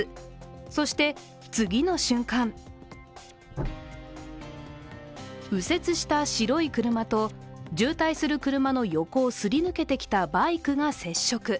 そして次の瞬間右折した黒い車と渋滞する車の横をすり抜けてきたバイクが接触。